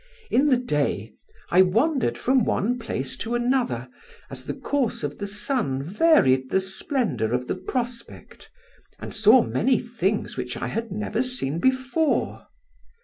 In the day I wandered from one place to another, as the course of the sun varied the splendour of the prospect, and saw many things which I had never seen before.